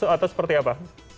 atau seperti apa